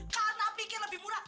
karena pikir lebih murah